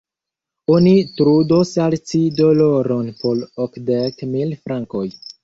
Oni trudos al ci doloron por okdek mil frankoj.